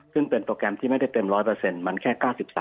ซึ่งเป็นโปรแกรมที่ไม่ได้เต็ม๑๐๐มันแค่๙๓